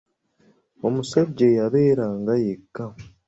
Omusajja eyabeeranga yekka.